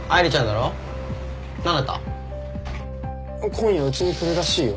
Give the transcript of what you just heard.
今夜うちに来るらしいよ。